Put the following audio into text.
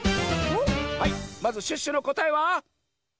はいまずシュッシュのこたえは？